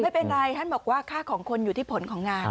ไม่เป็นไรท่านบอกว่าค่าของคนอยู่ที่ผลของงาน